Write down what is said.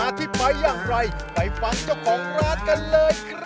ดินล้างวาง